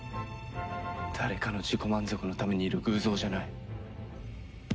誰かの自己満足のためにいる偶像じゃない。